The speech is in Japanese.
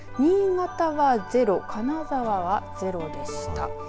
新潟は０金沢は０でした。